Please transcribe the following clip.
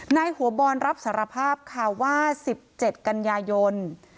นายหัวบอลรับสารภาพค่ะว่า๑๗กันยายน